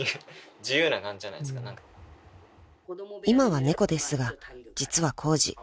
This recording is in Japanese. ［今は猫ですが実はコウジ